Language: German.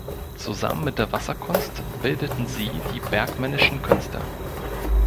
Zusammen mit der Wasserkunst bildeten sie die Bergmännischen Künste.